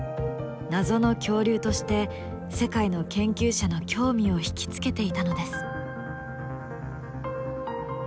謎の恐竜として世界の研究者の興味を引き付けていたのです。